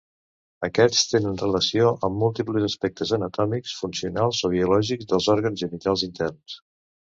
Aquests tenen relació amb múltiples aspectes anatòmics, funcionals o biològics dels òrgans genitals interns.